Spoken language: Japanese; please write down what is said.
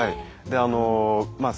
であのまあ